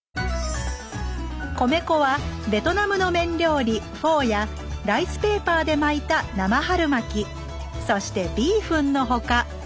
米粉はベトナムの麺料理「フォー」やライスペーパーで巻いた「生春巻き」そしてビーフンの他